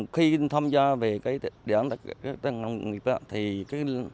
khi tham gia về đề án tất cả các nông nghiệp